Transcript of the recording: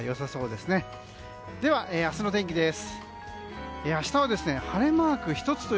では明日の天気です。